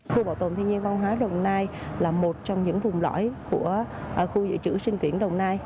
khu bảo tồn thiên nhiên văn hóa đồng nai là một trong những vùng lõi của khu dự trữ sinh quyển đồng nai